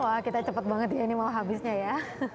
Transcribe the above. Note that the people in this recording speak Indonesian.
wah kita cepet banget ya ini malah habisnya ya